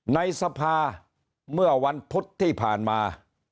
ในสภาเมื่อวันพุธที่ผ่านมา